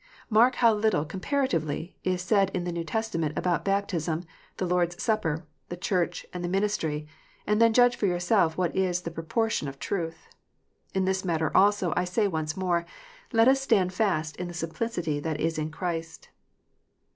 Mark how little comparatively is said in the New Testament about baptism, the Lord s Supper, the Church, and the ministry ; and then judge for yourself what is the proportion of truth. In this matter also, I say once more, let us stand fast in the " simplicity that is in Christ."